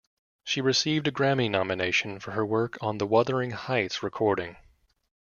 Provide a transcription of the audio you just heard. She received a Grammy nomination for her work on the "Wuthering Heights" recording.